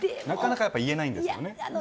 なかなか言えないんですよね。